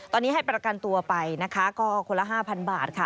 ตอนนี้ให้ประกันตัวไปนะคะก็คนละ๕๐๐บาทค่ะ